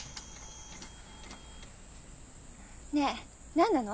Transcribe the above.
ねえ何なの？